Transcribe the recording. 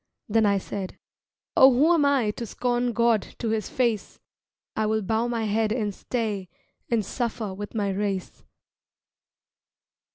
Then I said, "Oh who am I To scorn God to his face? I will bow my head and stay And suffer with my race."